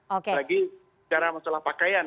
sebagi masalah pakaian